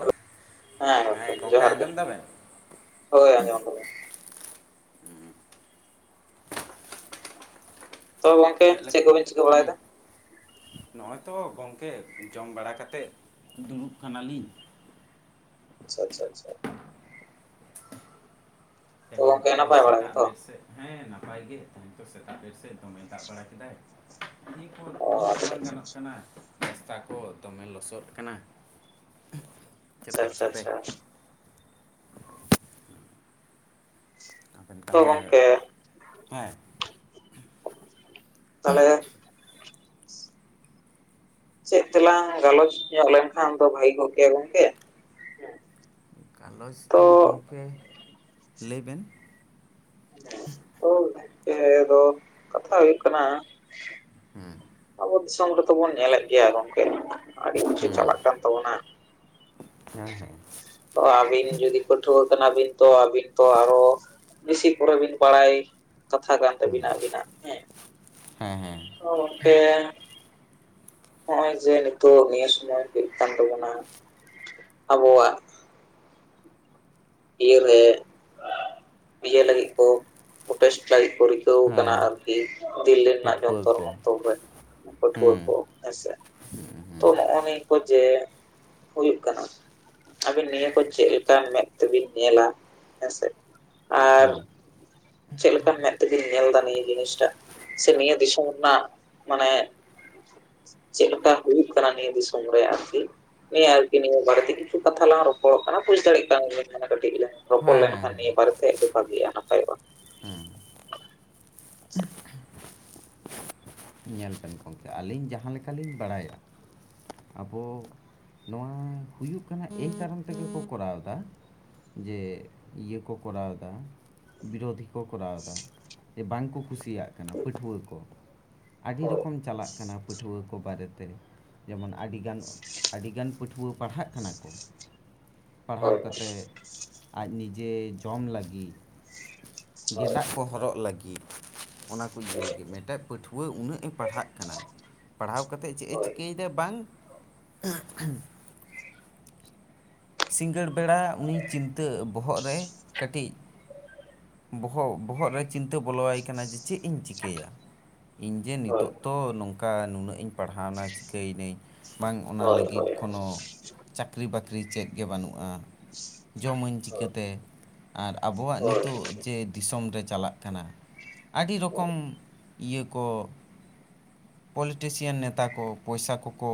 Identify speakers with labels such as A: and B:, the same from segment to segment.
A: Hello, ᱦᱮᱸ ᱜᱚᱝᱠᱮ ᱡᱚᱦᱟᱨ ᱜᱮ, ᱦᱳᱭ ᱟᱸᱡᱚᱢ ᱠᱟᱫᱟᱹᱧ᱾ ᱛᱚ ᱜᱚᱝᱠᱮ ᱪᱮᱫ
B: ᱞᱮᱠᱟ
A: ᱠᱚᱵᱮᱱ ᱪᱤᱠᱟᱹ ᱵᱟᱲᱟᱭᱫᱟ?
B: ᱦᱮᱸ ᱱᱚᱜᱼᱚᱭ ᱛᱚ ᱜᱚᱝᱠᱮ ᱡᱚᱢ ᱵᱟᱲᱟ ᱠᱟᱛᱮᱫ ᱫᱩᱲᱩᱵ ᱠᱟᱱᱟᱞᱤᱧ᱾
A: ᱟᱪᱪᱷᱟ ᱟᱪᱪᱷᱟ ᱟᱪᱪᱷᱟ᱾
B: ᱛᱮᱦᱮᱧ
A: ᱜᱚᱝᱠᱮ
B: ᱛᱚ
A: ᱱᱟᱯᱟᱭ ᱵᱟᱲᱟ
B: ᱥᱮᱛᱟᱜ
A: ᱜᱮᱛᱚ
B: ᱵᱮᱨ ᱥᱮᱫ ᱦᱮᱸ ᱱᱟᱯᱟᱭ ᱜᱮ ᱛᱮᱦᱮᱧ ᱛᱚ ᱥᱮᱛᱟᱜ ᱵᱮᱨ ᱥᱮᱫ ᱫᱚᱢᱮ ᱫᱟᱜ ᱵᱟᱲᱟ ᱠᱮᱫᱟᱭ, ᱠᱩᱞᱦᱤ ᱠᱷᱚᱡ
A: ᱚ
B: ᱩᱰᱩᱠ ᱜᱮ
A: ᱟᱪᱪᱷᱟ
B: ᱵᱟᱝ
A: ᱟᱪᱪᱷᱟ
B: ᱜᱟᱱᱚᱜ ᱠᱟᱱᱟ᱾ ᱨᱟᱥᱛᱟ ᱠᱚ ᱫᱚᱢᱮ ᱞᱚᱥᱚᱫ ᱠᱟᱱᱟ᱾
A: ᱟᱪᱪᱷᱟ
B: ᱪᱮᱯᱮᱠ
A: ᱟᱪᱪᱷᱟ
B: ᱪᱮᱯᱮᱠ
A: ᱟᱪᱪᱷᱟ᱾
B: ᱟᱵᱮᱱ
A: ᱛᱚ
B: ᱛᱟᱦᱚᱞᱮ
A: ᱜᱚᱝᱠᱮ
B: ᱦᱮᱸ᱾
A: [inaudible] ᱛᱟᱞᱦᱮ ᱪᱮᱫ ᱛᱮᱞᱟᱝ ᱜᱟᱞᱚᱪ ᱧᱚᱜ ᱞᱮᱱᱠᱷᱟᱱ ᱫᱚ ᱵᱷᱟᱜᱤ ᱠᱚᱜ ᱜᱮᱭᱟ ᱜᱚᱝᱠᱮ?
B: ᱜᱟᱞᱚᱪ
A: ᱛᱚ
B: ᱫᱚ ᱜᱚᱝᱠᱮ, ᱞᱟᱹᱭ ᱵᱮᱱ᱾
A: ᱛᱚ ᱮ ᱫᱚ ᱠᱟᱛᱷᱟ ᱦᱩᱭᱩᱜ ᱠᱟᱱᱟ
B: ᱦᱩᱸ
A: ᱟᱵᱚ ᱫᱤᱥᱚᱢ ᱨᱮᱫᱚ ᱵᱚᱱ ᱧᱮᱞᱮᱫ ᱜᱮᱭᱟ ᱜᱚᱝᱠᱮ ᱟᱹᱰᱤ ᱠᱤᱪᱷᱩ
B: ᱦᱮᱸ
A: ᱪᱟᱞᱟᱜ ᱠᱟᱱ ᱛᱟᱵᱚᱱᱟ᱾
B: ᱦᱮᱸ ᱦᱮᱸ᱾
A: ᱚ ᱟᱹᱵᱤᱱ ᱡᱩᱫᱤ ᱯᱟᱹᱴᱷᱩᱣᱟᱹ ᱠᱟᱱᱟᱵᱤᱱ ᱛᱚ ᱟᱹᱵᱤᱱ ᱛᱚ ᱟᱨᱦᱚ ᱵᱤᱥᱤ ᱠᱚᱨᱮ ᱵᱤᱱ ᱵᱟᱲᱟᱭ ᱠᱟᱛᱷᱟ ᱠᱟᱱ ᱛᱟᱹᱵᱤᱱᱟ ᱟᱹᱵᱤᱱᱟᱜ ᱦᱮᱸ᱾
B: ᱦᱮᱸ ᱦᱮᱸ᱾
A: ᱫᱚ ᱜᱚᱝᱠᱮ ᱦᱚᱸᱜᱼᱚᱭ ᱡᱮ ᱱᱤᱛᱚᱜ ᱱᱤᱭᱟᱹ ᱥᱩᱢᱚᱭ ᱦᱩᱭᱩᱜ ᱠᱟᱱ ᱛᱟᱵᱚᱱᱟ, ᱟᱵᱚᱣᱟᱜ ᱤᱭᱟᱹ ᱨᱮ ᱤᱭᱟᱹ ᱞᱟᱹᱜᱤᱫ ᱠᱚ ᱯᱳᱴᱮᱥᱴ ᱞᱟᱹᱜᱤᱫ ᱠᱚ ᱨᱤᱠᱟᱹᱣ ᱠᱟᱱᱟ
B: ᱦᱮᱸ
A: ᱟᱨ [unintelligible] ᱫᱤᱞᱞᱤ ᱨᱮᱱᱟᱜ
B: ᱯᱟᱹᱴᱷᱩᱣᱟᱹ
A: ᱡᱚᱱᱛᱚᱨ
B: ᱠᱚ
A: ᱢᱚᱱᱛᱚᱨ ᱨᱮᱱ ᱯᱟᱹᱴᱷᱩᱣᱟᱹ
B: ᱦᱮᱸ
A: ᱠᱚ ᱦᱮᱸᱥᱮ, ᱛᱚ ᱱᱚᱸᱜᱼᱱᱤᱭᱮ ᱠᱚ ᱡᱮ ᱦᱩᱭᱩᱜ ᱠᱟᱱᱟ, ᱟᱵᱤᱱ ᱱᱤᱭᱟᱹ ᱠᱚ ᱪᱮᱫᱞᱮᱠᱟ ᱢᱮᱫ ᱛᱮᱵᱤᱱ ᱧᱮᱞᱟ ᱦᱮᱸᱥᱮ, ᱟᱨ
B: ᱦᱮᱸ
A: ᱪᱮᱫ ᱞᱮᱠᱟ ᱢᱮᱫ ᱛᱮᱵᱤᱱ ᱧᱮᱞ ᱫᱟ ᱱᱤᱭᱟᱹ ᱡᱤᱱᱤᱥᱴᱟᱜ? ᱥᱮ ᱱᱤᱭᱟᱹ ᱫᱤᱥᱚᱢ ᱨᱮᱱᱟᱜ ᱢᱟᱱᱮ ᱪᱮᱫᱞᱮᱠᱟ ᱦᱩᱭᱩᱜ ᱠᱟᱱᱟ ᱱᱤᱭᱟᱹ ᱫᱤᱥᱚᱢ ᱨᱮ ᱟᱨᱠᱤ, ᱦᱳᱭ ᱟᱨᱠᱤ ᱱᱤᱭᱟᱹ ᱵᱟᱨᱮᱛᱮ ᱟᱹᱰᱤ ᱠᱤᱪᱷᱩ ᱠᱟᱛᱷᱟ ᱞᱟᱝ ᱨᱚᱯᱚᱲᱚᱜ-ᱟ ᱵᱩᱡ ᱫᱟᱲᱮᱜ ᱠᱟᱱ ᱱᱤᱭᱮ ᱠᱟᱹᱴᱤᱡ ᱞᱟᱝ ᱨᱚᱯᱚᱲ
B: ᱦᱮᱸ ᱦᱮᱸ
A: ᱞᱮᱱᱠᱷᱟᱱ
B: ᱦᱮᱸ
A: ᱱᱤᱭᱟᱹ ᱵᱟᱨᱮᱛᱮ ᱟᱹᱰᱤ ᱵᱷᱟᱹᱜᱤᱜᱼᱟ ᱱᱟᱯᱟᱭᱚᱜ-ᱟ᱾ [unintelligible]
B: ᱧᱮᱞ ᱵᱮᱱ ᱜᱚᱝᱠᱮ ᱟᱹᱞᱤᱧ ᱡᱟᱦᱟᱸ ᱞᱮᱠᱟᱞᱤᱧ ᱵᱟᱲᱟᱭᱟ ᱟᱵᱚ ᱱᱚᱣᱟ ᱦᱩᱭᱩᱜ ᱠᱟᱱᱟ ᱮᱭ ᱠᱟᱨᱚᱱ ᱛᱮᱜᱮ ᱠᱚ ᱠᱚᱨᱟᱣ ᱫᱟ, ᱡᱮ ᱤᱭᱟᱹ ᱠᱚ ᱠᱚᱨᱟᱣ ᱫᱟ ᱵᱤᱨᱳᱫᱷᱤ ᱠᱚ ᱠᱚᱨᱟᱣ ᱫᱟ, ᱡᱮ ᱵᱟᱝᱠᱚ ᱠᱩᱥᱤᱭᱟᱜ ᱠᱟᱱᱟ ᱯᱟᱹᱴᱷᱣᱟᱹ ᱠᱚ, ᱟᱹᱰᱤ
A: ᱦᱳᱭ
B: ᱨᱚᱠᱚᱢ ᱪᱟᱞᱟᱜ ᱠᱟᱱᱟ ᱯᱟᱹᱴᱷᱣᱟᱹ ᱠᱚ ᱵᱟᱨᱮᱛᱮ, ᱡᱮᱢᱚᱱ ᱟᱹᱰᱤᱜᱟᱱ ᱟᱹᱰᱤᱜᱟᱱ ᱯᱟᱹᱴᱷᱣᱟᱹ ᱯᱟᱲᱦᱟᱜ ᱠᱟᱱᱟ ᱠᱚ, ᱯᱟᱲᱦᱟᱣ
A: ᱦᱳᱭ
B: ᱠᱟᱛᱮ ᱟᱡ ᱱᱤᱡᱮ ᱡᱚᱢ ᱞᱟᱹᱜᱤᱫ, ᱜᱮᱸᱫᱟᱜ ᱠᱚ ᱦᱚᱨᱚᱜ ᱞᱟᱹᱜᱤᱫ ᱚᱱᱟ ᱠᱚ ᱤᱭᱟᱹ ᱞᱟᱹᱜᱤᱫ ᱢᱮᱴᱟᱡ ᱯᱟᱹᱴᱷᱣᱟᱹ ᱩᱱᱟᱹᱜ ᱮ ᱯᱟᱲᱦᱟᱜ ᱠᱟᱱᱟᱭ ᱯᱟᱲᱦᱟᱣ ᱠᱟᱛᱮᱫ ᱪᱮᱫ ᱮ
A: ᱦᱳᱭ
B: ᱪᱤᱠᱟᱹᱭ ᱫᱟ ᱵᱟᱝ ᱥᱤᱸᱜᱟᱹᱲ ᱵᱮᱲᱟ ᱩᱱᱤ ᱪᱤᱱᱛᱟᱹ ᱵᱚᱦᱚᱜ ᱨᱮ ᱠᱟᱹᱴᱤᱡ ᱵᱚᱦᱚᱜ ᱵᱚᱦᱚᱜ ᱨᱮ ᱪᱤᱱᱛᱟᱹ ᱵᱚᱞᱚᱣᱟᱭ ᱠᱟᱱᱟ ᱡᱮ ᱪᱮᱫ ᱤᱧ ᱪᱤᱠᱟᱹᱭᱟ, ᱤᱧ ᱡᱮ
A: ᱦᱳᱭ
B: ᱱᱤᱛᱚᱜ ᱛᱚ ᱱᱚᱝᱠᱟ ᱱᱩᱱᱟᱹᱜ ᱤᱧ ᱯᱟᱲᱦᱟᱣᱱᱟ ᱪᱤᱠᱟᱹᱭ ᱱᱟᱹᱧ ᱵᱟᱝ ᱚᱱᱟ
A: ᱦᱳᱭ ᱦᱳᱭ
B: ᱞᱟᱹᱜᱤᱫ
A: ᱦᱳᱭ
B: ᱠᱳᱱᱳ ᱪᱟᱠᱨᱤ ᱵᱟᱠᱨᱤ ᱪᱮᱫ ᱜᱮ ᱵᱟᱹᱱᱩᱜᱼᱟ, ᱡᱚᱢᱟᱹᱧ ᱪᱤᱠᱟᱹᱛᱮ? ᱟᱨ ᱟᱵᱚᱣᱟᱜ
A: ᱦᱳᱭ
B: ᱱᱤᱛᱚᱜ ᱡᱮ ᱫᱤᱥᱚᱢ ᱨᱮ ᱪᱟᱞᱟᱜ ᱠᱟᱱᱟ, ᱟᱹᱰᱤ ᱨᱚᱠᱚᱢ ᱤᱭᱟᱹ ᱠᱚ ᱯᱚᱞᱤᱴᱤᱥᱤᱭᱟᱱ ᱱᱮᱛᱟ ᱠᱚ ᱯᱚᱭᱥᱟ ᱠᱚᱠᱚ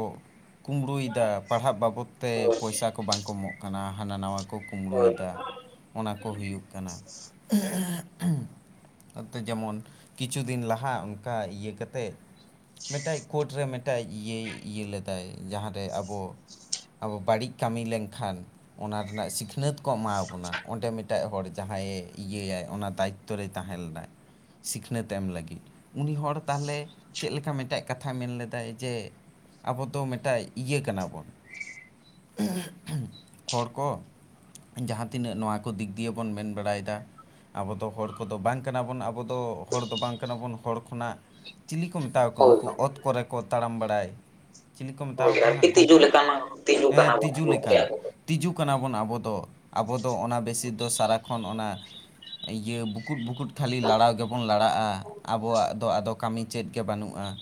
B: ᱠᱩᱢᱵᱽᱲᱩᱭ ᱫᱟ ᱯᱟᱲᱦᱟᱜ ᱵᱟᱵᱚᱫ ᱛᱮ
A: ᱦᱳᱭ
B: ᱯᱚᱭᱥᱟ ᱠᱚ ᱵᱟᱝ ᱠᱚ ᱮᱢᱚᱜ ᱠᱟᱱᱟ ᱦᱟᱸᱱᱟ ᱱᱟᱣᱟ ᱠᱚ ᱠᱩᱢᱵᱲᱩᱭ ᱫᱟ, ᱚᱱᱟ ᱠᱚ ᱦᱩᱭᱩᱜ ᱠᱟᱱᱟ ᱛᱚ ᱡᱮᱢᱚᱱ ᱠᱤᱪᱷᱩ ᱫᱤᱱ ᱞᱟᱦᱟ ᱚᱱᱠᱟ ᱤᱭᱟᱹ ᱠᱟᱛᱮᱜ ᱢᱮᱴᱟᱡ ᱠᱳᱴ ᱨᱮ ᱢᱮᱴᱮᱡ ᱤᱭᱟᱹᱭ ᱤᱭᱟᱹ ᱞᱮᱫᱟᱭ ᱡᱟᱦᱟᱸᱨᱮ ᱟᱵᱚ ᱟᱵᱚ ᱵᱟᱹᱲᱤᱡ ᱠᱟᱹᱢᱤ ᱞᱮᱱᱠᱷᱟᱱ ᱚᱱᱟ ᱨᱮᱱᱟᱜ ᱥᱤᱠᱷᱱᱟᱹᱛ ᱠᱚ ᱮᱢᱟ ᱵᱚᱱᱟ ᱚᱸᱰᱮ ᱢᱮᱴᱟᱡ ᱦᱚᱲ ᱡᱟᱦᱟᱸᱭᱮ ᱤᱭᱟᱹᱟᱭ ᱚᱱᱟ ᱫᱟᱭᱤᱛ ᱛᱚ ᱨᱮᱭ ᱛᱟᱦᱮᱸ ᱞᱮᱱᱟᱭ ᱥᱤᱠᱷᱱᱟᱹᱛ ᱮᱢ ᱞᱟᱹᱜᱤᱫ᱾ ᱩᱱᱤ ᱦᱚᱲ ᱛᱟᱦᱚᱞᱮ ᱪᱮᱫ ᱞᱮᱠᱟ ᱢᱤᱴᱟᱡ ᱠᱟᱛᱷᱟᱭ ᱢᱮᱱ ᱞᱮᱫᱟᱭ ᱡᱮ ᱟᱵᱚ ᱫᱚ ᱢᱮᱴᱟᱡ ᱤᱭᱟᱹ ᱠᱟᱱᱟ ᱵᱚᱱ, ᱦᱚᱲ ᱠᱚ ᱡᱟᱦᱟᱸ ᱛᱤᱱᱟᱹᱜ ᱱᱚᱣᱟ ᱠᱚ ᱫᱤᱠ ᱫᱤᱭᱮ ᱵᱚᱱ ᱢᱮᱱ ᱵᱟᱲᱟᱭ ᱫᱟ ᱟᱵᱚ ᱫᱚ ᱦᱚᱲ ᱠᱚᱫᱚ ᱵᱟᱝ ᱠᱟᱱᱟ ᱵᱚᱱ ᱟᱵᱚ ᱫᱚ ᱦᱚᱲ ᱫᱚ ᱵᱟᱝ ᱠᱟᱱᱟ ᱵᱚᱱ ᱦᱚᱲ ᱠᱷᱚᱱᱟᱜ ᱪᱤᱞᱤ ᱠᱚ ᱢᱮᱛᱟᱣ ᱠᱚᱣᱟ
A: ᱦᱳᱭ
B: ᱩᱱᱠᱩ
A: ᱦᱳᱭ
B: ᱚᱛ ᱠᱚᱨᱮ ᱠᱚ ᱛᱟᱲᱟᱢ ᱵᱟᱲᱟᱭ, ᱪᱤᱞᱤ ᱠᱚ ᱢᱮᱛᱟᱣ
A: ᱦᱳᱭ
B: ᱠᱚᱣᱟ
A: ᱟᱨᱠᱤ
B: ᱦᱟᱸᱜ
A: ᱛᱤᱡᱩ
B: ᱜᱚᱝᱠᱮ?
A: ᱞᱮᱠᱟᱱᱟᱜ ᱛᱤᱡᱩ ᱠᱟᱱᱟ
B: ᱦᱮᱸ
A: ᱵᱚᱱ
B: ᱛᱤᱡᱩ
A: ᱜᱚᱢᱠᱮ
B: ᱞᱮᱠᱟᱱ
A: ᱟᱵᱚ ᱫᱚ
B: ᱾ ᱛᱤᱡᱩ ᱠᱟᱱᱟ ᱵᱚᱱ ᱟᱵᱚ ᱫᱚ, ᱟᱵᱚ ᱫᱚ ᱚᱱᱟ ᱵᱮᱥᱤ ᱫᱚ ᱥᱟᱨᱟ ᱠᱷᱚᱱ ᱚᱱᱟ ᱤᱭᱟᱹ ᱵᱩᱠᱩᱴ ᱵᱩᱠᱩᱴ ᱠᱷᱟᱹᱞᱤ ᱞᱟᱲᱟᱣ ᱜᱮᱵᱚᱱ ᱞᱟᱲᱟᱜᱼᱟ ᱟᱵᱚᱣᱟᱜ ᱫᱚ ᱟᱫᱚ ᱠᱟᱢᱤ ᱪᱮᱫ ᱜᱮ ᱵᱟᱹᱱᱩᱜᱼᱟ ᱾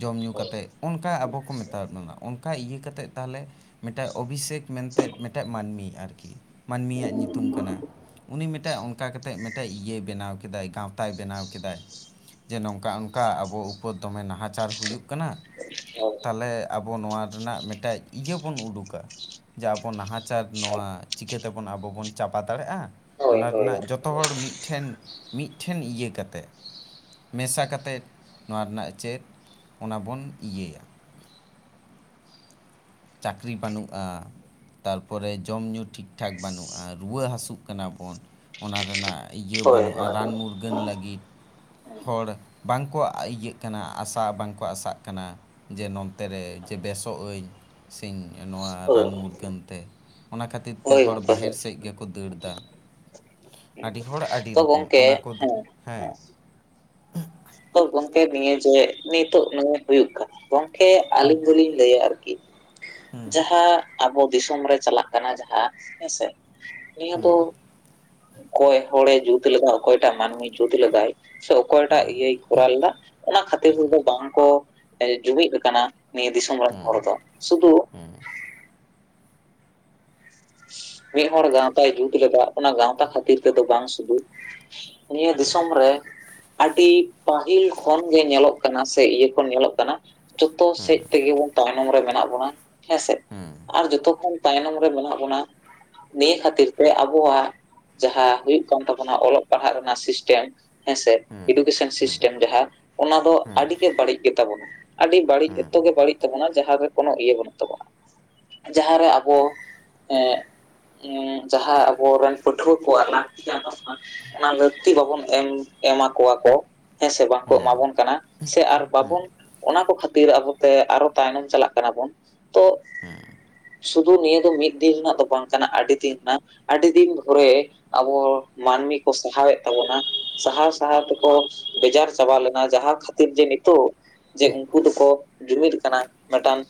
B: ᱡᱚᱢ ᱧᱩ ᱠᱟᱛᱮᱫ ᱚᱱᱠᱟ ᱟᱵᱚ ᱠᱚ ᱢᱮᱛᱟᱣᱟᱫ ᱵᱚᱱᱟ ᱚᱝᱠᱟ ᱤᱭᱟᱹ ᱠᱟᱛᱮᱫ ᱛᱟᱦᱚᱞᱮ ᱢᱤᱫᱴᱟᱜ ᱚᱵᱷᱤᱥᱮᱠ ᱢᱮᱱᱛᱮᱫ ᱢᱮᱴᱟᱡ ᱢᱟᱹᱱᱢᱤ ᱟᱨᱠᱤ ᱢᱟᱹᱱᱢᱤᱭᱟᱜ ᱧᱩᱛᱩᱢ ᱠᱟᱱᱟ ᱾ ᱩᱱᱤ ᱢᱮᱴᱟᱡ ᱚᱱᱠᱟ ᱠᱟᱛᱮᱫ ᱢᱮᱴᱟᱡ ᱤᱭᱟᱹᱭ ᱵᱮᱱᱟᱣ ᱠᱮᱫᱟᱭ ᱜᱟᱶᱛᱟᱭ ᱵᱮᱱᱟᱣ ᱠᱮᱫᱟᱭ ᱾ ᱡᱮ ᱱᱚᱝᱠᱟ ᱚᱱᱠᱟ ᱟᱵᱚ ᱩᱯᱚᱨ ᱫᱚᱢᱮ ᱱᱟᱦᱟᱪᱟᱨ ᱦᱩᱭᱩᱜ ᱠᱟᱱᱟ, ᱛᱟᱦᱚᱞᱮ ᱟᱵᱚ ᱱᱚᱣᱟ ᱨᱮᱱᱟᱜ ᱢᱮᱴᱟᱡ ᱤᱭᱟᱹ ᱵᱚᱱ ᱩᱰᱩᱠᱟ ᱾ ᱡᱮ ᱟᱵᱚ ᱱᱟᱦᱟᱪᱟᱨ ᱱᱚᱣᱟ ᱪᱤᱠᱟᱹ ᱛᱮᱵᱚᱱ ᱟᱵᱚ ᱵᱚᱱ ᱪᱟᱯᱟ ᱫᱟᱲᱮᱜᱼᱟ?
A: ᱦᱳᱭ ᱦᱳᱭ
B: ᱚᱱᱟ
A: ᱦᱳᱭ
B: ᱨᱮᱱᱟᱜ ᱡᱚᱛᱚ ᱦᱚᱲ ᱢᱤᱫ ᱴᱷᱮᱱ ᱢᱤᱫ ᱴᱷᱮᱱ ᱤᱭᱟᱹ ᱠᱟᱛᱮᱫ ᱢᱮᱥᱟ ᱠᱟᱛᱮᱫ ᱱᱚᱣᱟ ᱨᱮᱱᱟᱜ ᱪᱮᱫ ᱚᱱᱟ ᱵᱚᱱ ᱤᱭᱟᱹᱭᱟ ᱾ ᱪᱟᱹᱠᱷᱨᱤ ᱵᱟᱹᱱᱩᱜᱼᱟ᱾ ᱛᱟᱨᱯᱚᱨᱮ ᱡᱚᱢ ᱧᱩ ᱴᱷᱤᱠ ᱴᱷᱟᱠ ᱵᱟᱹᱱᱩᱜᱼᱟ᱾ ᱨᱩᱣᱟᱹ ᱦᱟᱹᱥᱩᱜ ᱠᱟᱱᱟ ᱵᱚᱱ ᱚᱱᱟ ᱨᱮᱱᱟᱜ ᱤᱭᱟᱹ
A: ᱦᱳᱭ
B: ᱵᱟᱹᱱᱩᱜᱼᱟ
A: ᱦᱳᱭ
B: ᱨᱟᱱ ᱢᱩᱨᱜᱟᱹᱱ ᱞᱟᱹᱜᱤᱫ ᱾ ᱦᱚᱲ ᱵᱟᱝᱠᱚ ᱟ ᱤᱭᱟᱹᱜ ᱠᱟᱱᱟ ᱟᱥᱟ ᱵᱟᱝ ᱠᱚ ᱟᱥᱟᱜ ᱠᱟᱱᱟ ᱾ ᱡᱮ ᱱᱚᱱᱛᱮ ᱨᱮ ᱡᱮ ᱵᱮᱥᱚᱜ ᱟᱹᱧ ᱾ ᱥᱮᱧ ᱱᱚᱣᱟ
A: ᱦᱳᱭ
B: ᱨᱟᱱ ᱢᱩᱨᱜᱟᱹᱱ ᱛᱮ ᱚᱱᱟ ᱠᱷᱟᱹᱛᱤᱨ ᱛᱮ
A: ᱦᱳᱭ
B: ᱦᱚᱲ
A: ᱜᱚᱢᱠᱮ
B: ᱵᱟᱦᱮᱨ
A: ᱦᱳᱭ
B: ᱥᱮᱫ ᱜᱮ ᱠᱚ ᱫᱟᱹᱲ ᱫᱟ, ᱟᱹᱰᱤ ᱦᱚᱲ ᱟᱹᱰᱤ
A: ᱛᱚ
B: ᱨᱚᱠᱚᱢ
A: ᱜᱚᱢᱠᱮ
B: ᱚᱱᱟ ᱠᱚ
A: ᱦᱮᱸ
B: ᱦᱮᱸ ᱾
A: ᱛᱚ ᱜᱚᱝᱠᱮ ᱱᱤᱭᱟᱹ ᱡᱮ ᱱᱤᱛᱚᱜ ᱢᱮᱱ ᱦᱩᱭᱩᱜ ᱠᱟᱱᱟ ᱜᱚᱝᱠᱮ ᱟᱹᱞᱤᱧ ᱫᱚᱞᱤᱧ ᱞᱟᱹᱭᱟ ᱟᱨᱠᱤ ᱡᱟᱦᱟᱸ ᱟᱵᱚ ᱫᱤᱥᱚᱢ ᱨᱮ ᱪᱟᱞᱟᱜ ᱠᱟᱱᱟ ᱡᱟᱦᱟᱸ ᱦᱮᱸ ᱥᱮ! ᱱᱤᱭᱟᱹ ᱫᱚ ᱚᱠᱚᱭ ᱦᱚᱲᱮ ᱡᱩᱛ ᱞᱮᱫᱟ ᱚᱠᱚᱭᱴᱟᱜ ᱢᱟᱹᱱᱢᱤ ᱡᱩᱛ ᱞᱮᱫᱟᱭ? ᱥᱮ ᱚᱠᱚᱭᱴᱟᱜ ᱤᱭᱟᱹᱭ ᱠᱚᱨᱟᱣ ᱞᱮᱫᱟ ᱚᱱᱟ ᱠᱷᱟᱹᱛᱤᱨ ᱫᱚ ᱵᱟᱝ ᱠᱚ ᱮ ᱡᱩᱢᱤᱫ ᱟᱠᱟᱱᱟ ᱾ ᱱᱤᱭᱟᱹ ᱫᱤᱥᱚᱢ ᱨᱮᱱ ᱦᱚᱲ ᱫᱚ, ᱥᱩᱫᱩ ᱢᱤᱜᱦᱚᱲ ᱜᱟᱶᱛᱟᱭ ᱡᱩᱛ ᱞᱮᱫᱟ ᱚᱱᱟ ᱜᱟᱶᱛᱟ ᱠᱷᱟᱹᱛᱤᱨ ᱛᱮᱫᱚ ᱵᱟᱝ ᱥᱩᱫᱩ ᱱᱤᱭᱟᱹ ᱫᱤᱥᱚᱢ ᱨᱮ ᱟᱰᱤ ᱯᱟᱹᱦᱤᱞ ᱠᱷᱚᱱ ᱜᱮ ᱧᱮᱞᱚᱜ ᱠᱟᱱᱟ ᱥᱮ ᱤᱭᱟᱹ ᱠᱷᱚᱱ ᱧᱮᱞᱚᱜ ᱠᱟᱱᱟ ᱡᱚᱛᱚ ᱥᱮᱫ ᱛᱮᱜᱮ ᱵᱚᱱ ᱛᱟᱭᱱᱚᱢ ᱨᱮ ᱢᱮᱱᱟᱜ ᱵᱚᱱᱟ ᱦᱮᱸᱥᱮ ᱾
B: ᱦᱮᱸ ᱾
A: ᱟᱨ ᱡᱚᱛᱚ ᱠᱷᱚᱱ ᱛᱟᱭᱱᱚᱢ ᱨᱮ ᱢᱮᱱᱟᱜ ᱵᱚᱱᱟ ᱱᱤᱭᱟᱹ ᱠᱷᱟᱹᱛᱤᱨ ᱛᱮ ᱟᱵᱚᱣᱟᱜ ᱡᱟᱦᱟᱸ ᱦᱩᱭᱩᱜ ᱠᱟᱱ ᱛᱟᱵᱚᱱᱟ ᱚᱞᱚᱜ ᱯᱟᱲᱦᱟᱜ ᱨᱮᱱᱟᱜ ᱥᱤᱥᱴᱮᱢ ᱾ ᱦᱮᱸᱥᱮ ᱮᱰᱩᱠᱮᱥᱚᱱ ᱥᱤᱥᱴᱮᱢ ᱡᱟᱦᱟᱸ ᱚᱱᱟ ᱫᱚ ᱟᱹᱰᱤ ᱜᱮ ᱵᱟᱹᱲᱤᱡ ᱜᱮ ᱛᱟᱵᱚᱱᱟ᱾ ᱟᱰᱤ ᱵᱟᱹᱲᱤᱡ ᱮᱛᱚ ᱜᱮ ᱵᱟᱹᱲᱤᱡ ᱛᱟᱵᱚᱱᱟ ᱡᱟᱦᱟᱸ ᱨᱮ ᱠᱳᱱᱳ ᱤᱭᱟᱹ ᱵᱟᱹᱱᱩᱜ ᱛᱟᱵᱚᱱᱟ ᱾ ᱡᱟᱦᱟᱸ ᱨᱮ ᱟᱵᱚ ᱮ ᱡᱟᱦᱟᱸ ᱟᱵᱚ ᱨᱮᱱ ᱯᱟᱹᱴᱷᱩᱣᱟᱹ ᱠᱚ ᱟᱱᱟᱜ [inaudible] ᱚᱱᱟ ᱞᱟᱹᱠᱛᱤ ᱵᱟᱵᱚᱱ ᱮᱢ ᱮᱢᱟ ᱠᱚᱣᱟ ᱠᱚ ᱾ ᱦᱮᱸ ᱥᱮ ᱵᱟᱝᱠᱚ ᱮᱢᱟᱵᱚᱱ ᱠᱟᱱᱟ ᱥᱮ ᱟᱨ ᱵᱟᱵᱚᱱ ᱚᱱᱟ ᱠᱚ ᱠᱷᱟᱹᱛᱤᱨ ᱟᱵᱚᱛᱮ ᱟᱨᱚ ᱛᱟᱭᱱᱚᱢ ᱪᱟᱞᱟᱜ ᱠᱟᱱᱟ ᱵᱚᱱ, ᱛᱚ ᱥᱩᱫᱩ ᱱᱤᱭᱟᱹ ᱫᱚ ᱢᱤᱫ ᱫᱤᱱ ᱨᱮᱱᱟᱜ ᱫᱚ ᱵᱟᱝ ᱠᱟᱱᱟ ᱟᱹᱰᱤ ᱫᱤᱱ ᱨᱮᱱᱟᱜ ᱟᱹᱰᱤ ᱫᱤᱱ ᱫᱷᱚᱨᱮ ᱟᱵᱚ ᱢᱟᱹᱱᱢᱤ ᱠᱚ ᱥᱟᱦᱟᱣᱮᱫ ᱛᱟᱵᱚᱱᱟ ᱥᱟᱦᱟᱣ ᱥᱟᱦᱟᱣ ᱛᱮᱠᱚ ᱵᱮᱡᱟᱨ ᱪᱟᱵᱟ ᱞᱮᱱᱟ ᱡᱟᱦᱟᱸ ᱠᱷᱟᱹ ᱛᱤᱨ ᱡᱮ ᱱᱤᱛᱚᱜ ᱡᱮ ᱩᱝᱠᱩ ᱫᱚᱠᱚ ᱡᱩᱢᱤᱫ ᱠᱟᱱᱟ ᱢᱤᱫᱴᱟᱝ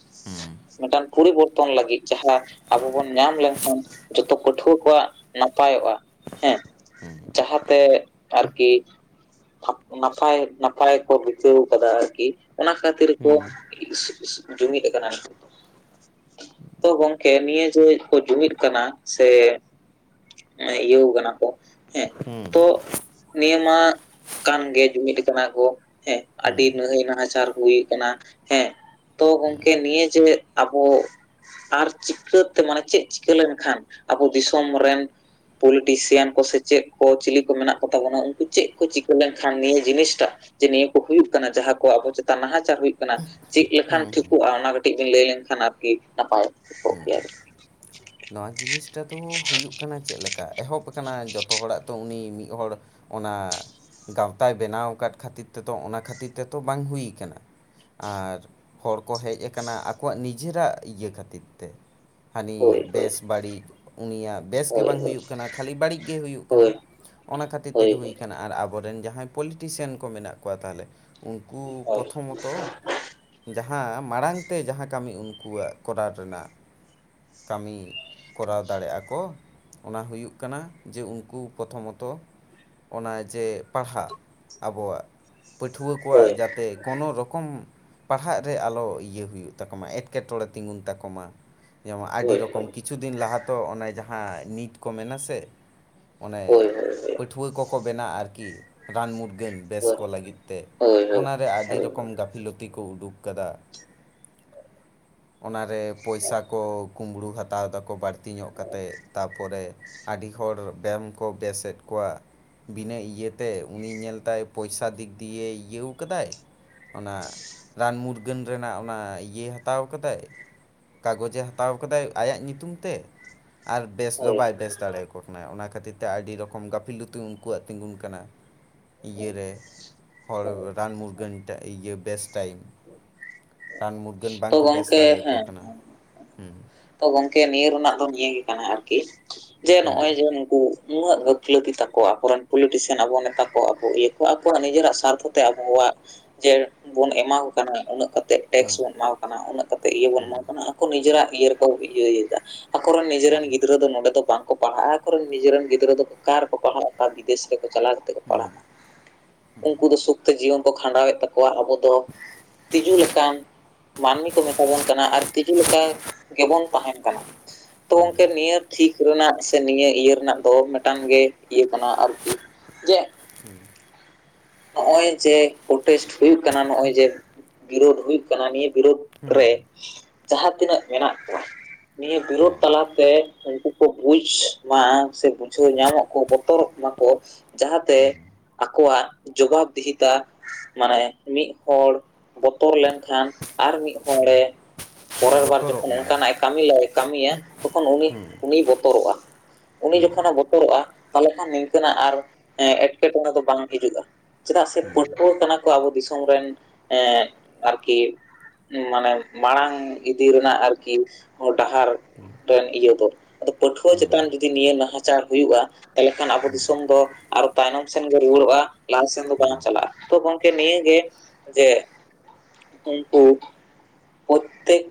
A: ᱢᱤᱫᱴᱟᱝ ᱯᱚᱨᱤᱵᱚᱨᱛᱚᱱ ᱞᱟᱹᱜᱤᱫ ᱡᱟᱦᱟᱸ ᱟᱵᱚ ᱵᱚᱱ ᱧᱟᱢ ᱞᱮᱱᱠᱷᱟᱱ ᱠᱷᱟᱱ ᱡᱚᱛᱚ ᱯᱟᱹᱴᱷᱩᱣᱟᱹ ᱠᱚᱣᱟᱜ ᱱᱟᱯᱟᱭᱚᱜᱼᱟ ᱦᱮᱸ᱾ ᱡᱟᱦᱟᱸ ᱛᱮ ᱟᱨᱠᱤ ᱱᱟᱯᱟᱭ ᱱᱟᱯᱟᱭ ᱠᱚ ᱵᱤᱛᱟᱹᱣ ᱟᱠᱟᱫᱟ ᱟᱨᱠᱤ ᱚᱱᱟ ᱠᱷᱟᱹᱛᱤᱨ ᱠᱚ ᱡᱩᱢᱤᱫ ᱠᱟᱱᱟ ᱫᱚ ᱛᱚ ᱜᱚᱝᱠᱮ ᱱᱤᱭᱟᱹ ᱡᱮ ᱠᱚ ᱡᱩᱢᱤᱫ ᱠᱟᱱᱟ ᱥᱮ ᱤᱭᱟᱹᱣ ᱠᱟᱱᱟ ᱠᱚ ᱦᱮᱸ ᱛᱚ ᱱᱤᱭᱟᱹ ᱢᱟ ᱠᱟᱱ ᱜᱮ ᱡᱩᱢᱤᱫ ᱠᱟᱱᱟ ᱠᱚ ᱦᱮᱸ ᱟᱹᱰᱤ ᱱᱟᱹᱦᱟᱹᱭ ᱱᱟᱦᱟᱪᱟᱨ ᱦᱩᱭ ᱠᱟᱱᱟ ᱦᱮᱸ᱾ ᱛᱚ ᱜᱚᱝᱠᱮ ᱱᱤᱭᱟᱹ ᱡᱮ ᱟᱵᱚ ᱟᱨ ᱪᱤᱠᱟᱹ ᱛᱮ ᱢᱟᱱᱮ ᱪᱮᱫ ᱪᱤᱠᱟᱹ ᱞᱮᱱᱠᱷᱟᱱ ᱟᱵᱚ ᱫᱤᱥᱚᱢ ᱨᱮᱱ ᱯᱚᱞᱤᱴᱤᱥᱤᱭᱟᱱ ᱠᱚ ᱥᱮ ᱪᱮᱫ ᱠᱚ ᱪᱤᱞᱤ ᱠᱚ ᱢᱮᱱᱟᱜ ᱠᱚ ᱛᱟᱵᱚᱱᱟ ᱩᱱᱠᱩ ᱪᱮᱫ ᱠᱚ ᱪᱤᱠᱟᱹ ᱞᱮᱱᱠᱷᱟᱱ ᱱᱤᱭᱟᱹ ᱡᱤᱱᱤᱥᱴᱟᱜ ᱡᱮ ᱱᱤᱭᱟᱹ ᱠᱚ ᱦᱩᱭᱩᱜ ᱠᱟᱱᱟ ᱡᱟᱦᱟᱸ ᱠᱚ ᱟᱵᱚ ᱪᱮᱛᱟᱱ ᱱᱟᱦᱟᱪᱟᱨ ᱦᱩᱭᱩᱜ ᱪᱮᱫ ᱞᱮᱠᱷᱟᱱ ᱴᱷᱤᱠᱚᱜᱼᱟ, ᱚᱱᱟ ᱠᱟᱹᱴᱤᱡ ᱵᱮᱤᱱ ᱞᱟᱹᱭ ᱞᱮᱱᱠᱷᱟᱱ ᱟᱨᱠᱤ ᱱᱟᱯᱟᱭᱚᱜᱼᱟ᱾
B: ᱦᱮᱸ ᱱᱚᱣᱟ ᱡᱤᱱᱤᱥᱴᱟ ᱫᱚ ᱦᱩᱭᱩᱜ ᱠᱟᱱᱟ ᱪᱮᱫ ᱞᱮᱠᱟ ᱮᱦᱚᱵ ᱠᱟᱱᱟ ᱡᱚᱛᱚ ᱦᱚᱲᱟᱜ ᱛᱚ ᱩᱱᱤ ᱢᱤᱫ ᱦᱚᱲ ᱚᱱᱟ ᱜᱟᱶᱛᱟᱭ ᱵᱮᱱᱟᱣ ᱟᱠᱟᱫ ᱠᱷᱟᱹᱛᱤᱨ ᱛᱮᱫᱚ ᱚᱱᱟ ᱠᱷᱟᱹᱛᱤᱨ ᱛᱮᱛᱚ ᱵᱟᱝ ᱦᱩᱭ ᱟᱠᱟᱱᱟ᱾ ᱟᱨ ᱦᱚᱲ ᱠᱚ ᱦᱮᱡ ᱟᱠᱟᱱᱟ ᱟᱠᱚᱣᱟᱜ ᱱᱤᱡᱮᱨᱟᱜ ᱤᱭᱟᱹ ᱠᱷᱟᱹᱛᱤᱨ ᱛᱮ
A: ᱦᱳᱭ
B: ᱦᱟᱹᱱᱤ
A: ᱦᱳᱭ
B: ᱵᱮᱥ ᱵᱟᱹᱲᱤᱡ ᱩᱱᱤᱭᱟᱜ ᱵᱮᱥ ᱜᱮ
A: ᱦᱳᱭ
B: ᱵᱟᱝ ᱦᱩᱭᱩᱜ ᱠᱟᱱᱟ ᱠᱷᱟᱹᱞᱤ ᱵᱟᱹᱲᱤᱡ ᱜᱮ ᱦᱩᱭᱩᱜ
A: ᱦᱳᱭ
B: ᱠᱟᱱᱟ ᱚᱱᱟ ᱠᱷᱟᱹᱛᱤᱨ
A: ᱦᱳᱭ
B: ᱛᱮᱜᱮ ᱦᱩᱭ ᱠᱟᱱᱟ᱾ ᱟᱨ ᱟᱵᱚᱨᱮᱱ ᱡᱟᱦᱟᱸᱭ ᱯᱚᱞᱤᱴᱤᱥᱤᱭᱟᱱ ᱠᱚ ᱢᱮᱱᱟᱜ ᱠᱚᱣᱟ ᱛᱟᱦᱚᱞᱮ ᱩᱱᱠᱩ
A: ᱦᱳᱭ
B: ᱯᱨᱚᱛᱷᱚᱢᱚᱛᱚ ᱛᱚ ᱡᱟᱦᱟᱸ ᱢᱟᱲᱟᱝ ᱛᱮ ᱡᱟᱦᱟᱸ ᱠᱟᱹᱢᱤ ᱩᱱᱠᱩᱣᱟᱜ ᱠᱚᱨᱟᱣ ᱨᱮᱱᱟᱜ ᱠᱟᱹᱢᱤ ᱠᱚᱨᱟᱣ ᱫᱟᱲᱮᱭᱟᱜ ᱟᱠᱚ᱾ ᱚᱱᱟ ᱦᱩᱭᱩᱜ ᱠᱟᱱᱟ ᱡᱮ ᱩᱝᱠᱩ ᱯᱨᱚᱛᱷᱚᱢᱚᱛᱚ᱾ ᱚᱱᱟ ᱡᱮ ᱯᱟᱲᱦᱟᱜ ᱟᱵᱚᱣᱟᱜ ᱯᱟᱹᱴᱷᱩᱣᱟᱹ
A: ᱦᱳᱭ
B: ᱠᱚᱣᱟᱜ ᱡᱟᱛᱮ ᱠᱳᱱᱳ ᱨᱚᱠᱚᱢ ᱯᱟᱲᱦᱟᱜ ᱨᱮ ᱟᱞᱚ ᱤᱭᱟᱹ ᱦᱩᱭᱩᱜ ᱛᱟᱠᱚ ᱢᱟ ᱮᱴᱠᱮᱴᱚᱬᱮ ᱛᱤᱸᱜᱩᱱ ᱛᱟᱠᱚ ᱢᱟ᱾ ᱡᱮᱢᱚᱱ ᱟᱹᱰᱤ
A: ᱦᱳᱭ ᱦᱳᱭ
B: ᱨᱚᱠᱚᱢ
A: ᱦᱳᱭ
B: ᱠᱤᱪᱷᱩ ᱫᱤᱱ ᱞᱟᱦᱟ ᱛᱚ ᱚᱱᱮ ᱡᱟᱦᱟᱸ ᱱᱤᱴ ᱠᱚ ᱢᱮᱱᱟ ᱥᱮ ᱚᱱᱮ
A: ᱦᱳᱭ ᱦᱳᱭ ᱦᱳᱭ
B: ᱯᱟᱹᱴᱷᱩᱣᱟᱹ ᱠᱚᱠᱚ ᱵᱮᱱᱟᱜᱼᱟ ᱟᱨᱠᱤ ᱨᱟᱱ ᱢᱩᱨᱜᱟᱹᱱ ᱵᱮᱥ
A: ᱦᱳᱭ
B: ᱠᱚ ᱞᱟᱹᱜᱤᱫ ᱛᱮ᱾ ᱚᱱᱟᱨᱮ ᱟᱹᱰᱤ
A: ᱦᱳᱭ
B: ᱨᱚᱠᱚᱢ ᱜᱟᱹᱯᱷᱤᱞᱚᱛᱤ ᱠᱚ ᱩᱰᱩᱠ ᱠᱟᱫᱟ᱾ ᱚᱱᱟᱨᱮ ᱯᱚᱭᱥᱟ
A: ᱦᱳᱭ
B: ᱠᱚ ᱠᱩᱢᱵᱽᱲᱩ ᱦᱟᱛᱟᱣ ᱫᱟᱠᱚ ᱵᱟᱹᱲᱛᱤ ᱧᱚᱜ ᱠᱟᱛᱮᱫ ᱛᱟᱯᱚᱨᱮ ᱟᱹᱰᱤ ᱦᱚᱲ ᱵᱮᱢ ᱠᱚ ᱵᱮᱥᱮᱫ ᱠᱚᱣᱟ᱾ ᱵᱤᱱᱟᱹ ᱤᱭᱟᱹᱛᱮ ᱩᱱᱤ ᱧᱮᱞ ᱛᱟᱭ ᱯᱚᱭᱥᱟ ᱫᱤᱠ ᱫᱤᱭᱮ ᱤᱭᱟᱹᱣ ᱠᱟᱫᱟᱭ ᱚᱱᱟ ᱨᱟᱱ ᱢᱩᱨᱜᱟᱹᱱ ᱨᱮᱱᱟᱜ ᱚᱱᱟ ᱤᱭᱟᱹ ᱦᱟᱛᱟᱣ ᱠᱟᱫᱟᱭ᱾ ᱠᱟᱜᱚᱡᱮ ᱦᱟᱛᱟᱣ ᱠᱟᱫᱟᱭ ᱟᱭᱟᱜ ᱧᱩᱛᱩᱢ ᱛᱮ᱾ ᱟᱨ ᱵᱮᱥ ᱫᱚ ᱵᱟᱭ ᱵᱮᱥ ᱫᱟᱲᱮᱭᱟᱠᱚ ᱠᱟᱱᱟᱭ ᱚᱱᱟ ᱠᱷᱟᱹᱛᱤᱨ ᱛᱮ ᱟᱹᱰᱤ ᱨᱚᱠᱚᱢ ᱜᱟᱹᱯᱷᱤᱞᱩᱛᱩ ᱩᱱᱠᱩᱣᱟᱜ ᱛᱤᱸᱜᱩᱱ ᱠᱟᱱᱟ᱾ ᱤᱭᱟᱹᱨᱮ ᱦᱚᱲ ᱨᱟᱱ ᱢᱩᱨᱜᱟᱹᱱ ᱤᱭᱟᱹ ᱵᱮᱥ ᱴᱟᱭᱤᱢ᱾ ᱨᱟᱱ ᱢᱩᱨᱜᱟᱹᱱ
A: ᱛᱚ
B: ᱵᱟᱝᱠᱚ ᱵᱮᱥ
A: ᱜᱚᱝᱠᱮ
B: ᱫᱟᱲᱮᱭᱟᱠᱚ
A: ᱦᱮᱸ
B: ᱠᱟᱱᱟ᱾ ᱦᱩᱸ
A: ᱛᱚ ᱜᱚᱝᱠᱮ ᱱᱤᱭᱟᱹ ᱨᱮᱱᱟᱜ ᱫᱚ ᱱᱤᱭᱟᱹ ᱜᱮ ᱠᱟᱱᱟ ᱟᱨᱠᱤ ᱡᱮ
B: ᱦᱩᱸ
A: ᱱᱚᱜᱼᱚᱭ ᱡᱮ ᱱᱩᱠᱩ ᱱᱩᱱᱟᱹᱜ ᱜᱟᱹᱯᱷᱞᱟᱹᱛᱤ ᱛᱟᱠ ᱟᱠᱨᱮᱱ ᱯᱚᱞᱤᱴᱤᱥᱤᱭᱟᱱ ᱟᱵᱚ ᱱᱮᱛᱟ ᱠᱚ ᱟᱵᱚ ᱤᱭᱟᱹ ᱠᱚ ᱟᱠᱚᱣᱟᱜ ᱱᱤᱡᱮᱨᱟᱜ ᱥᱟᱨᱛᱷᱚ ᱛᱮ ᱟᱵᱚᱣᱟᱜ ᱡᱮ ᱵᱚᱱ ᱮᱢᱟ ᱠᱚ ᱠᱟᱱᱟ ᱩᱱᱟᱹᱜ ᱠᱟᱛ᱾ ᱛᱮ ᱴᱮᱠᱥ
B: ᱦᱩᱸ
A: ᱵᱚᱱ ᱮᱢᱟ ᱠᱚ ᱠᱟᱱᱟ ᱩᱱᱟᱹᱜ ᱠᱟ ᱠᱟᱛᱮᱫ ᱤᱭᱟᱹ ᱵᱚᱱ ᱮᱢᱟ ᱠᱚ ᱠᱟᱱᱟ ᱟᱠᱚ ᱱᱤᱡᱮᱨᱟᱜ ᱤᱭᱟᱹ ᱨᱮᱠᱚ ᱤᱭᱟᱹᱭ ᱫᱟ᱾ ᱟᱠᱚᱨᱮᱱ ᱱᱤᱡᱮᱨᱮᱱ ᱜᱤᱫᱽᱨᱟᱹ ᱫᱚ ᱱᱚᱰᱮ ᱫᱚ ᱵᱟᱝ ᱠᱚ ᱯᱟᱲᱦᱟᱜᱼᱟ ᱟᱠᱚᱨᱮᱱ ᱱᱤᱡᱮᱨᱮᱱ ᱜᱤᱫᱽᱨᱟᱹ ᱫᱚ ᱚᱠᱟ ᱨᱮᱠᱚ ᱯᱟᱲᱦᱟᱜ ᱚᱠᱟ ᱵᱤᱫᱮᱥ ᱨᱮ᱾ ᱠᱚ ᱪᱟᱞᱟᱣ ᱠᱟᱛᱮ ᱠᱚ ᱯᱟᱲᱦᱟᱜᱼᱟ ᱩᱱᱠᱩ ᱫᱚ ᱥᱩᱠᱛᱮ ᱡᱤᱭᱚᱱ ᱠᱚ ᱠᱷᱟᱸᱰᱟᱣᱮᱫ ᱛᱟᱠᱚᱣᱟ ᱟᱵᱚ ᱫᱚ ᱛᱤᱡᱩ ᱞᱮᱠᱟᱱ ᱢᱟᱹᱱᱢᱤ ᱠᱚ ᱢᱮᱛᱟ ᱵᱚᱱ ᱠᱟᱱᱟ ᱟᱨ ᱛᱤᱡᱩ ᱞᱮᱠᱟ ᱜᱮᱵᱚᱱ ᱛᱟᱦᱮᱱ ᱠᱟᱱᱟ᱾ ᱛᱚ
B: ᱦᱩᱸ
A: ᱜᱚᱝᱠᱮ ᱱᱤᱭᱟᱹ ᱛᱷᱤᱠ ᱨᱮᱱᱟᱜ ᱥᱮ ᱱᱤᱭᱟᱹ ᱤᱭᱟᱹ ᱨᱮᱱᱟᱜ ᱫᱚ ᱢᱤᱴᱟᱝ ᱜᱮ ᱤᱭᱟᱹ ᱠᱟᱱᱟ ᱟᱨᱠᱤ, ᱡᱮ
B: ᱦᱩᱸ᱾
A: ᱱᱚᱜᱼᱚᱭ ᱡᱮ ᱯᱨᱳᱴᱮᱥᱴ ᱦᱩᱭᱩᱜ ᱠᱟᱱᱟ ᱱᱚᱜᱼᱚᱭ ᱡᱮ ᱵᱤᱨᱳᱰ ᱦᱩᱭᱩᱜ ᱠᱟᱱᱟ ᱱᱤᱭᱟᱹ ᱵᱤᱨᱩᱫᱽ
B: ᱦᱩᱸ
A: ᱨᱮ ᱡᱟᱦᱟᱸ ᱛᱤᱱᱟᱹᱜ ᱢᱮᱱᱟᱜ ᱠᱚᱣᱟ ᱱᱤᱭᱟᱹ ᱵᱤᱨᱳᱫᱽ
B: ᱦᱮᱸ
A: ᱛᱟᱞᱟ ᱛᱮ ᱩᱱᱠᱩ ᱠᱚ ᱵᱩᱡᱽ ᱢᱟ ᱥᱮ ᱵᱩᱡᱷᱟᱹᱣ ᱧᱟᱢᱟᱠᱚ ᱵᱚ ᱛᱚᱨᱚᱜ ᱢᱟᱠᱚ ᱡᱟᱦᱟᱸᱛᱮ
B: ᱦᱩᱸ
A: ᱟᱠᱚᱣᱟᱜ ᱡᱚᱵᱟᱵᱽ ᱫᱤᱦᱤᱛᱟ ᱢᱟᱱᱮ ᱢᱤᱫ ᱦᱚᱲ ᱵᱚᱛᱚᱨ ᱞᱮᱱᱠᱷᱟᱱ ᱟᱨ ᱢᱤᱫ ᱦᱚᱲᱮ ᱯᱚᱨᱮᱨ ᱵᱟᱨ
B: ᱵᱚᱛᱚᱨᱚᱜ
A: ᱡᱚᱠᱷᱚᱱ
B: ᱢᱟᱭ
A: ᱚᱱᱠᱟᱱᱟᱜᱼᱮ ᱠᱟᱹᱢᱤ ᱞᱟᱹᱭ ᱠᱟᱹᱢᱤᱭᱟ ᱛᱚᱠᱷᱚᱱ ᱩᱱᱤ ᱩᱱᱤᱭ ᱵᱚᱛᱚᱨᱚᱜᱼᱟ᱾ ᱩᱱᱤ
B: ᱦᱩᱸ
A: ᱡᱚᱠᱷᱚᱱᱮ ᱵᱚᱛᱚᱨᱚᱜᱼᱟ ᱛᱟᱞᱦᱮ ᱠᱷᱟᱱ ᱱᱤᱝᱠᱟᱹᱱᱟᱜ ᱟᱨ ᱮᱴᱠᱮᱴᱚᱬᱮ ᱫᱚ ᱵᱟᱝ ᱦᱤᱡᱩᱜᱼᱟ᱾ ᱪᱮᱫᱟᱜ ᱥᱮ
B: ᱦᱩᱸ
A: ᱯᱟᱹᱴᱷᱩᱣᱟᱹ ᱠᱟᱱᱟ ᱠᱚ ᱟᱵᱚ ᱫᱤᱥᱚᱢ ᱨᱮᱱ ᱮᱸ ᱟᱨᱠᱤ ᱢᱟᱱᱮ ᱢᱟᱲᱟᱝ ᱤᱫᱤ ᱨᱮᱱᱟᱜ ᱟᱨᱠᱤ ᱦᱚᱛᱴᱨ ᱰᱟᱦᱟᱨ
B: ᱦᱩᱸ ᱦᱩᱸ
A: ᱨᱮᱱ ᱤᱭᱟᱹ ᱫᱚ᱾ ᱟᱫᱚ ᱯᱟᱹᱴᱷᱩᱣᱟᱹ
B: ᱦᱩᱸ
A: ᱪᱮᱛᱟᱱ ᱡᱩᱫᱤ ᱱᱤᱭᱟᱹ ᱱᱟᱦᱟᱪᱟᱨ ᱦᱩᱭᱩᱜᱼᱟ ᱛᱟᱞᱦᱮ ᱠᱷᱟᱱ ᱟᱵᱚ ᱫᱤᱥᱚᱢ ᱫᱚ ᱟᱨᱚ ᱛᱟᱭᱱᱚᱢ ᱥᱮᱱ ᱜᱮ ᱨᱩᱣᱟᱹᱲᱚᱜᱼᱟ ᱞᱟᱦᱟ ᱥᱮᱱ ᱫᱚ
B: ᱦᱩᱸ ᱦᱩᱸ ᱦᱩᱸ ᱦᱩᱸ
A: ᱵᱟᱝ ᱪᱟᱞᱟᱜᱼᱟ, ᱛᱚ ᱜᱚᱝᱠᱮ ᱱᱤᱭᱟᱹᱜᱮ ᱡᱮ ᱩᱱᱠᱩ ᱯᱨᱚᱛᱛᱮᱠ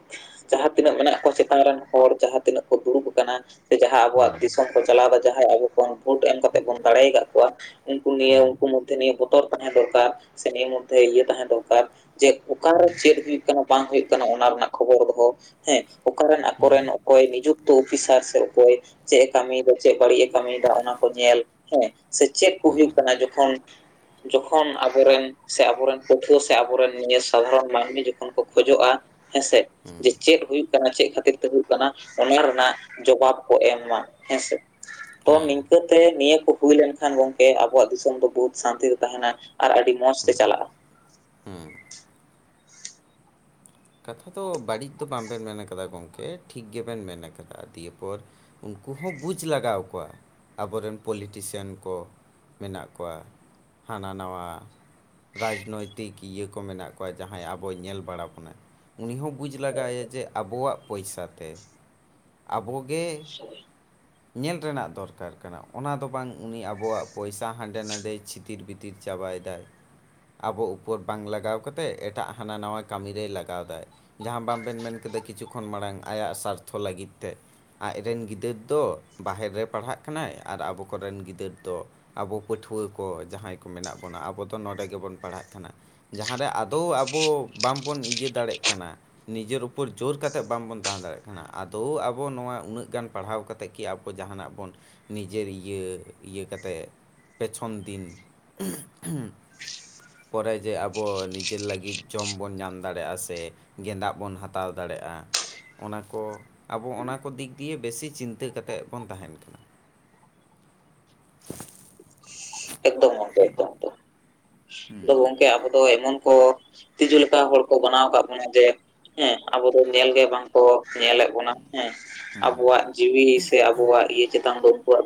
A: ᱡᱟᱦᱟᱸ ᱛᱤᱱᱟᱹᱜ ᱢᱮᱱᱟᱜ ᱠᱚᱣᱟ ᱪᱮᱛᱟᱱ ᱨᱮᱱ ᱦᱚᱲ ᱡᱟᱦᱟᱸ ᱛᱤᱱᱟᱹᱜ ᱠᱚ ᱫᱩᱲᱩᱵ ᱟᱠᱟᱱᱟ ᱥᱮ ᱡᱟᱦᱟᱸ ᱟᱵᱚᱣᱟᱜ ᱫᱤᱥᱚᱢ ᱠᱚ ᱪᱟᱞᱟᱣᱫᱟ ᱡᱟᱦᱟᱸᱭ ᱟᱵᱚ ᱵᱚᱱ ᱵᱷᱳᱴ ᱮᱢ ᱠᱟᱛᱮᱫ ᱵᱚᱱ ᱫᱟᱲᱮ ᱟᱠᱟᱜ ᱠᱚᱣᱟ ᱩᱱᱠᱩ ᱱᱤᱭᱟᱹ ᱩᱱᱠᱩ
B: ᱦᱩᱸ
A: ᱢᱚᱫᱽᱫᱷᱮ ᱱᱤᱭᱟᱹ ᱵᱚᱛᱚᱨ ᱛᱟᱦᱮᱸ ᱫᱚᱨᱠᱟᱨ ᱥᱮ ᱱᱤᱭᱟᱹ ᱢᱚᱫᱽᱫᱷᱮ ᱤᱭᱟᱹ ᱛᱟᱦᱮᱸ ᱫᱚᱨᱠᱟᱨ, ᱡᱮ ᱚᱠᱟᱨᱮ ᱪᱮᱫ ᱦᱩᱭᱩᱜ ᱠᱟᱱᱟ ᱵᱟᱝ ᱦᱩᱭᱩᱜ ᱠᱟᱱᱟ ᱚᱱᱟ ᱨᱮᱱᱟᱜ ᱠᱷᱚᱵᱚᱨ ᱫᱚᱦᱚ ᱦᱮᱸ, ᱚᱠᱟᱨᱮᱱ ᱟᱠᱚᱨᱮᱱ ᱚᱠᱚᱭ ᱱᱤᱡᱩᱠᱛᱚ ᱚᱯᱷᱤᱥᱟᱨ ᱥᱮ ᱚᱠᱚᱭ ᱪᱮᱫ ᱮ ᱠᱟᱹᱢᱤᱭᱮᱫᱟ ᱪᱮᱫ ᱵᱟᱹᱲᱤᱡ ᱮ ᱠᱟᱹᱢᱤᱭᱮᱫᱟ ᱚᱱᱟ ᱠᱚ ᱧᱮᱞ ᱦᱮᱸ, ᱥᱮ ᱪᱮᱫ ᱠᱚ ᱦᱩᱭᱩᱜ ᱠᱟᱱᱟ ᱡᱚ ᱠᱷᱚᱱ ᱡᱚᱠᱷᱚᱱ ᱟᱵᱚᱨᱮᱱ ᱥᱮ ᱟᱵᱚᱨᱮᱱ ᱯᱟᱹᱴᱷᱩᱣᱟᱹ ᱥᱮ ᱟᱵᱚᱨᱮᱱ ᱱᱤᱭᱟᱹ ᱥᱟᱫᱷᱟᱨᱚᱱ ᱢᱟᱹᱱᱢᱤ ᱡᱚᱠᱷᱚᱱ ᱠᱚ ᱠᱷᱚᱡᱚᱜᱼᱟ ᱦᱮᱸ ᱥᱮ?
B: ᱦᱩᱸ ᱦᱩᱸ
A: ᱡᱮ ᱪᱮᱫ ᱦᱩᱭᱩᱜ ᱠᱟᱱᱟ ᱪᱮᱫ ᱠᱷᱟᱹᱛᱤᱨ ᱛᱮ ᱦᱩᱭᱩᱜ ᱠᱟᱱᱟ ᱚᱱᱟ ᱨᱮᱱᱟᱜ ᱡᱚᱵᱟᱵ ᱠᱚ ᱮᱢ ᱢᱟ ᱦᱮᱸᱥᱮ᱾ ᱛᱚ
B: ᱦᱮᱸ
A: ᱱᱤᱝᱠᱟᱹ ᱛᱮ ᱱᱤᱭᱟᱹ ᱠᱚ ᱦᱩᱭ ᱞᱮᱱᱠᱷᱟᱱ ᱜᱚᱝᱠᱮ ᱟᱵᱚᱣᱟᱜ ᱫᱤᱥ ᱥᱚᱢ ᱫᱚ ᱵᱚᱦᱩᱛ ᱥᱟᱱᱛᱤ ᱛᱮ ᱛᱟᱦᱮᱱᱟ ᱟᱨ ᱟᱹᱰᱤ ᱢᱚᱸᱡᱽ ᱛᱮ ᱪᱟᱞᱟᱜᱼᱟ᱾
B: ᱦᱩᱸ ᱠᱟᱛᱷᱟ ᱫᱚ ᱵᱟᱹᱲᱤᱡ ᱫᱚ ᱵᱟᱝᱵᱮᱱ ᱢᱮᱱ ᱟᱠᱟᱫᱟ ᱜᱚᱝᱠᱮ ᱴᱷᱤᱠ ᱜᱮᱵᱮᱱ ᱢᱮᱱ ᱟᱠᱟᱫᱟ ᱫᱤᱭᱮᱯᱚᱨ ᱩᱱᱠᱩ ᱦᱚᱸ ᱵᱩᱡᱽ ᱞᱟᱣ ᱠᱚᱣᱟ ᱟᱵᱚᱨᱮᱱ ᱯᱚᱞᱤᱴᱤᱥᱤᱭᱟᱱ ᱠᱚ ᱢᱮᱱᱟᱜ ᱠᱚᱣᱟ ᱦᱟᱱᱟ ᱱᱟᱣᱟ ᱨᱟᱡᱽᱱᱳᱭᱛᱤᱠ ᱤᱭᱟᱹ ᱠᱚ ᱢᱮᱱᱟᱜ ᱠᱚᱣᱟ ᱡᱟᱦᱟᱸᱭ ᱟᱵᱚᱭ ᱧᱮᱞ ᱵᱟᱲᱟ ᱵᱚᱱᱟᱭ᱾ ᱩᱱᱤ ᱦᱚᱸ ᱵᱩᱡᱽ ᱞᱟᱜᱟᱣᱮᱭᱟ ᱡᱮ ᱟᱵᱚᱣᱟᱜ ᱯᱚᱭᱥᱟ ᱛᱮ ᱟᱵᱚ ᱜᱮ ᱧᱮᱞ ᱨᱮᱱᱟᱜ ᱫᱚᱨᱠᱟᱨ ᱠᱟᱱᱟ, ᱚᱱᱟ ᱫᱚ ᱵᱟᱝ ᱩᱱᱤ ᱟᱵᱚᱣᱟᱜ ᱯᱚᱭᱥᱟ ᱦᱟᱸᱰᱮ ᱱᱟᱰᱮ ᱪᱷᱤᱛᱤᱨ ᱵᱤ ᱛᱤᱨ ᱪᱟᱵᱟᱭᱮᱫᱟᱭ᱾ ᱟᱵᱚ ᱩᱯᱚᱨ ᱵᱟᱝ ᱞᱟᱜᱟᱣ ᱠᱟᱛᱮᱫ ᱮᱴᱟᱜ ᱦᱟᱱᱟ ᱱᱟᱣᱟ ᱠᱟᱹᱢᱤ ᱨᱮᱭ ᱞᱟ ᱜᱟᱣᱫᱟᱭ ᱡᱟᱦᱟᱸ ᱵᱟᱝᱵᱮᱱ ᱢᱮᱱ ᱠᱮᱫᱟ ᱠᱤᱪᱷᱩ ᱠᱷᱚᱱ ᱢᱟᱲᱟᱝ ᱟᱭᱟᱜ ᱥᱟᱨᱛᱷᱚ ᱞᱟᱹᱜᱤᱫ ᱛᱮ᱾ ᱟᱡ ᱨᱮᱱ ᱜᱤᱫᱟᱹᱨ ᱫᱚ ᱵᱟᱦᱮᱨ ᱨᱮ ᱯᱟᱲᱦᱟᱜ ᱠᱟᱱᱟᱭ ᱟᱨ ᱟᱵᱚ ᱠᱚᱨᱮᱱ ᱜᱤᱫᱟᱹᱨ ᱫᱚ ᱟᱵᱚ ᱯᱟᱹᱴᱷᱩᱣᱟᱹ ᱠᱚ ᱡᱟᱦᱟᱸᱭ ᱠᱚ ᱢᱮᱱᱟᱜ ᱵᱚᱱᱟ ᱟᱵᱚ ᱫᱚ ᱱᱚᱰᱮ ᱜᱮᱵᱚᱱ ᱯᱟᱲᱦᱟᱜ ᱠᱟᱱᱟ, ᱡᱟᱦᱟᱸᱨᱮ ᱟᱫᱚᱣ ᱟᱵᱚ ᱵᱟᱝᱵᱚᱱ ᱤᱭᱟᱹ ᱫᱟᱲᱮᱜ ᱠᱟᱱᱟ, ᱱᱤᱡᱮᱨ ᱩᱯᱚᱨ ᱡᱳᱨ ᱠᱟᱛᱮᱫ ᱵᱟᱝᱵᱚᱱ ᱛᱟᱦᱮᱸ ᱫᱟᱲᱮᱜ ᱠᱟᱱᱟ, ᱟᱫᱚᱣ ᱟᱵᱚ ᱱᱚᱣᱟ ᱩᱱᱟᱹᱜ ᱜᱟᱱ ᱯᱟᱲᱦᱟᱣ ᱠᱟᱛᱮᱫ ᱠᱤ ᱟᱵᱚ ᱠᱚ ᱡᱟᱦᱟᱱᱟᱜ ᱵᱚᱱ ᱱᱤᱡᱮᱨ ᱤᱭᱟᱹ ᱤᱭᱟᱹ ᱠᱟᱛᱮᱫ ᱯᱮᱪᱷᱚᱱ ᱫᱤᱱ [unintelligible] ᱯᱚᱨᱮ ᱡᱮ ᱟᱵᱚ ᱱᱤᱡᱮᱨ ᱞᱟᱹᱜᱤᱫ ᱡᱚᱢ ᱵᱚᱱ ᱧᱟᱢ ᱫᱟᱲᱮᱭᱟᱜᱼᱟ ᱥᱮ ᱛᱮ ᱜᱮᱸᱫᱟᱜ ᱵᱚᱱ ᱦᱟᱛᱟᱣ ᱫᱟᱲᱮᱭᱟᱜᱼᱟ᱾ ᱚᱱᱟ ᱠᱚ ᱟᱵᱚ ᱚᱱᱟ ᱠᱚ ᱫᱤᱠ ᱫᱤᱭᱮ ᱵᱮᱥᱤ ᱪᱤᱱᱛᱟᱹ ᱠᱟᱛᱮᱫ ᱵᱚᱱ ᱛᱟᱦᱮᱱ ᱠᱟᱱᱟ ᱾
A: ᱮᱫᱚᱢ ᱜᱚᱢᱠᱮ ᱮᱠᱫᱚᱢ ᱾ ᱟᱫᱚ ᱜᱚᱝᱠᱮ ᱟᱵᱚ ᱫᱚ ᱮᱢᱚᱱ ᱠᱚ ᱛᱤᱡᱩ ᱞᱮᱠᱟ ᱦᱚᱲ ᱠᱚ ᱵᱮᱱᱟᱣ ᱟᱠᱟᱫ ᱵᱚᱱᱟ ᱡᱮ ᱦᱮᱸ ᱟᱵᱚ ᱫᱚ ᱧᱮᱞ ᱜᱮ ᱵᱟᱝ ᱠᱚ ᱧᱮᱞᱮᱫ ᱵᱚᱱᱟ ᱦᱮᱸ ᱾ ᱟᱵᱚᱣᱟᱜ ᱡᱤᱣᱤ ᱥᱮ ᱟᱵᱚᱣᱟᱜ ᱤᱭᱟᱹ ᱪᱮᱛᱟᱱ ᱫᱚ ᱩᱱᱠᱩᱣᱟᱜ ᱫᱚ